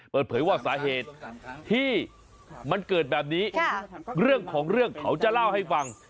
เปิดเผยว่าสาเหตุที่มันเกิดแบบนี้เรื่องของเรื่องเขาจะเล่าให้ฟัง